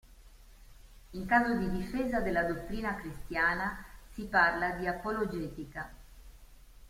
In caso di difesa della dottrina cristiana, si parla di apologetica.